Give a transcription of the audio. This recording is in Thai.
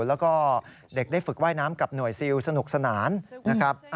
แล้วก็เด็กได้ฝึกว่ายน้ำกับหน่วยซิลสนุกสนานนะครับ